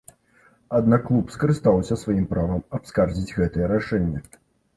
Аднак клуб скарыстаўся сваім правам абскардзіць гэтае рашэнне.